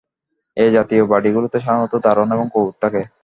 এ জাতীয় বাড়িগুলোতে সাধারণত দারোয়ান এবং কুকুর থাকে।